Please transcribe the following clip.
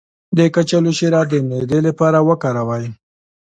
د کچالو شیره د معدې لپاره وکاروئ